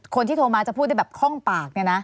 คนที่โทรมาจะพูดได้แบบคล่องปาก